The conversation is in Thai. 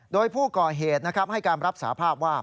โดยผู้ก่อเหตุให้การรับสาภาพว่า